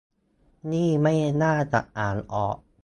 นี่ไม่น่าจะอ่านออก